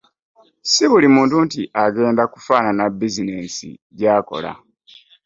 si buli muntu nti agenda kufaanana bizineesi gyakola.